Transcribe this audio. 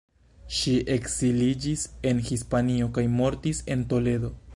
Ŝi ekziliĝis en Hispanio kaj mortis en Toledo.